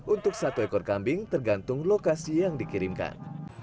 untuk satu ekor kambing tergantung lokasi yang dikirimkan